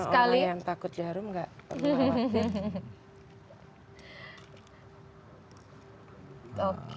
orang orang yang takut jarum gak perlu alatnya